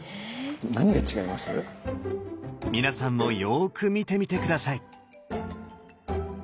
皆さんもよく見てみて下さい。